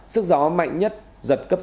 sức gió mạnh nhất giật cấp sáu